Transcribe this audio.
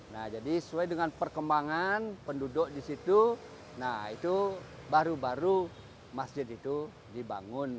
nah jadi sesuai dengan perkembangan penduduk di situ nah itu baru baru masjid itu dibangun